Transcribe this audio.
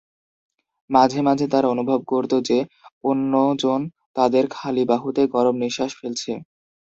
মাঝে মাঝে তারা অনুভব করত যে, অন্য জন তাদের খালি বাহুতে গরম নিঃশ্বাস ফেলছে।